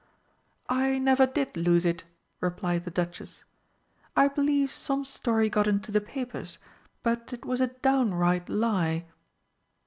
"I never did lose it," replied the Duchess, "I believe some story got into the papers, but it was a down right lie."